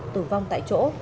tử vong tại chỗ